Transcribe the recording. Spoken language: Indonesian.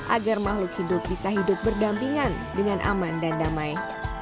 agar makhluk hidup bisa hidup berdampingan dengan aman dan damai